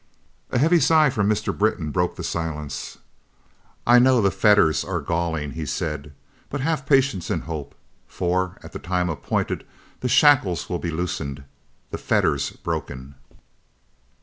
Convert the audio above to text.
A heavy sigh from Mr. Britton broke the silence. "I know the fetters are galling," he said, "but have patience and hope, for, at the time appointed, the shackles will be loosened, the fetters broken."